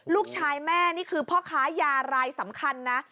ลูกชายแม่นี่คือพ่อค้ายารายสำคัญนะ